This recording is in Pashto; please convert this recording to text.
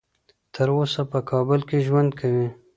تر اوسه په کابل کې ژوند کوي.